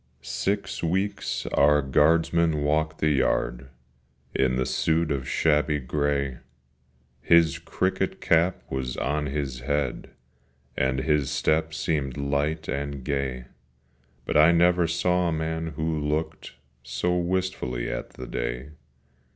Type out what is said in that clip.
II SIX weeks our guardsman walked the yard, In the suit of shabby grey: His cricket cap was on his head, And his step seemed light and gay, But I never saw a man who looked So wistfully at the day.